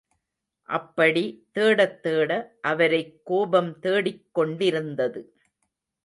அப்படி தேடத்தேட அவரை கோபம் தேடிக் கொண்டிருந்தது.